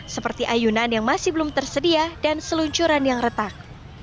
seperti ayunan yang masih belum tersedia dan seluncuran yang retak